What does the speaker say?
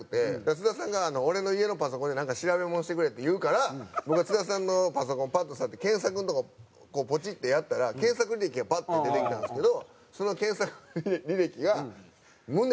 津田さんが「俺の家のパソコンで調べものしてくれ」って言うから僕が津田さんのパソコンをパッと触って検索のとこポチッてやったら検索履歴がパッて出てきたんですけどその検索履歴が「胸」